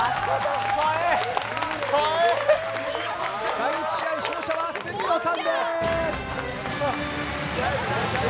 第１試合の勝者は杉野さんです。